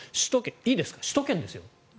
いいですか、首都圏ですよ。